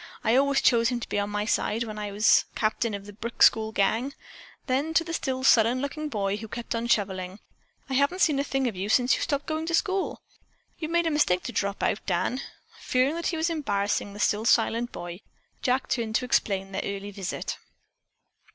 I always chose him to be on my side when I was captain of the Brick School gang." Then to the still sullen looking boy, who kept on shoveling: "I haven't seen a thing of you since you stopped going to school. You made a mistake to drop out, Dan." Fearing that he was embarrassing the still silent boy, Jack turned to explain their early visit.